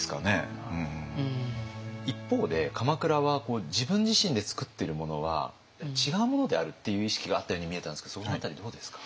一方で鎌倉は自分自身で作ってるものは違うものであるっていう意識があったように見えたんですけどその辺りどうですか？